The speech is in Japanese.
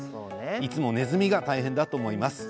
いつもねずみが大変だと思います。